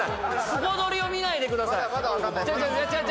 スポドリ！を見ないでください。